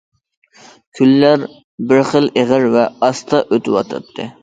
كۈنلەر بىر خىل ئېغىر ۋە ئاستا ئۆتۈۋاتاتتى.